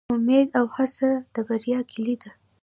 امید او هڅه د بریا کیلي ده